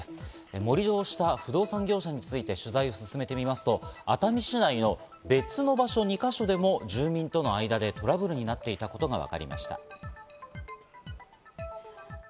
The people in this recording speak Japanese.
盛り土をした不動産業者について取材を進めると、熱海市内の別の場所に２か所でも住民との間でトラブルになっていたことがわかりました。